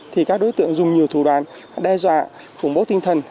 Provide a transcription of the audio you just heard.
thì các đối tượng dùng nhiều thủ đoàn đe dọa khủng bố tinh thần